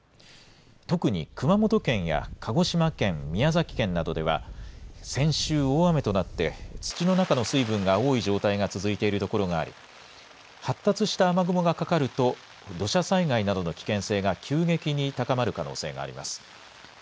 特に熊本県や鹿児島県、宮崎県などでは先週、大雨となって土の中の水分が多い状態が続いているところがあり発達した雨雲がかかると土砂災害などの危険性が急激に高まる可能性があります。